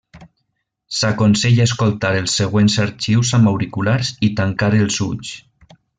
S'aconsella escoltar els següents arxius amb auriculars i tancar els ulls.